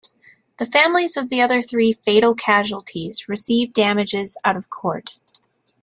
The families of the other three fatal casualties received damages out of court.